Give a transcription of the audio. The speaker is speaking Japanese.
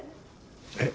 えっ？